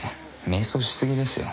迷走し過ぎですよ。